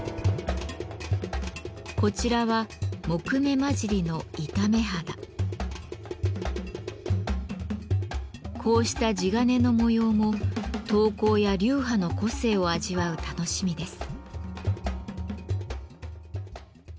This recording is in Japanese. こちらはこうした地鉄の模様も刀工や流派の個性を味わう楽しみです。